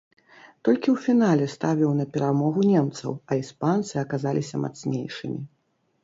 Толькі ў фінале ставіў на перамогу немцаў, а іспанцы аказаліся мацнейшымі.